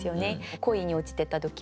恋に落ちてた時は。